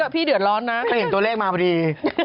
พี่เดือดร้อนนะเคยเห็นตัวเลขมาพอดี